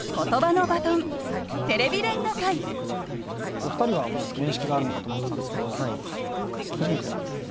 お二人は面識があるのかと思ってたんですけど初めてなんですね。